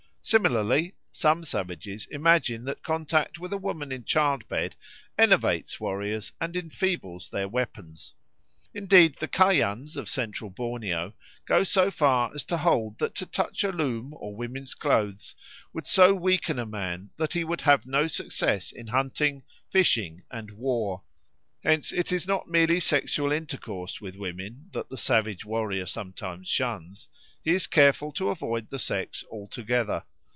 Similarly some savages imagine that contact with a woman in childbed enervates warriors and enfeebles their weapons. Indeed the Kayans of Central Borneo go so far as to hold that to touch a loom or women's clothes would so weaken a man that he would have no success in hunting, fishing, and war. Hence it is not merely sexual intercourse with women that the savage warrior sometimes shuns; he is careful to avoid the sex altogether.